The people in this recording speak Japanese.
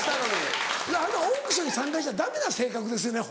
あなたオークションに参加しちゃダメな性格ですよね